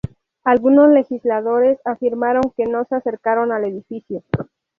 Algunos legisladores afirmaron que no se acercaron al edificio.